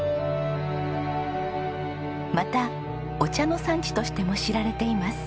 またお茶の産地としても知られています。